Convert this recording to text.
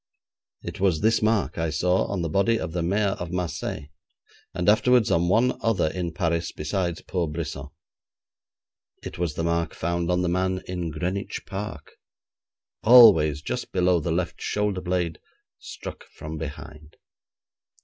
It was this mark I saw on the body of the Maire of Marseilles, and afterwards on one other in Paris besides poor Brisson. It was the mark found on the man in Greenwich Park; always just below the left shoulder blade, struck from behind.